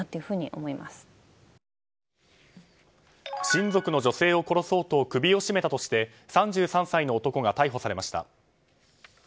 親族の女性を殺そうと首を絞めたとして３３歳の男が逮捕されました。